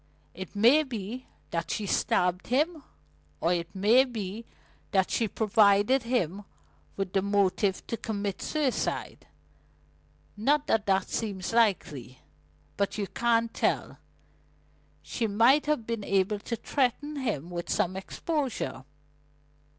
It may be that she stabbed him, or it may be that she provided him with the motive to commit suicide not that that seems likely. But you can't tell: she might have been able to threaten him with some exposure.